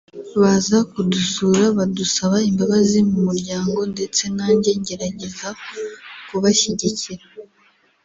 baza kudusura badusaba imbabazi mu muryango ndetse nanjye ngerageza kubashyigikira